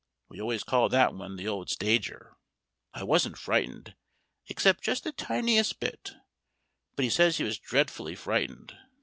(We always call that one "the old stager.") I wasn't frightened, except just the tiniest bit; but he says he was dreadfully frightened.